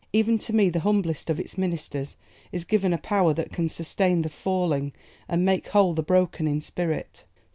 Even to me, the humblest of its ministers, is given a power that can sustain the falling and make whole the broken in spirit.